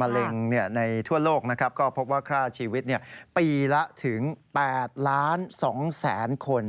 มะเร็งในทั่วโลกก็พบว่าค่าชีวิตปีละถึง๘ล้าน๒แสนคน